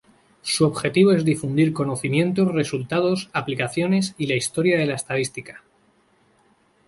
Su objetivo es difundir conocimientos, resultados, aplicaciones y la historia de la estadística.